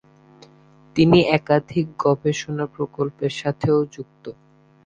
তিনি একাধিক গবেষণা প্রকল্পের সাথেও যুক্ত।